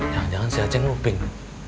jangan jangan si aceh nguping